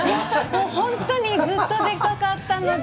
本当にずっと出たかったので。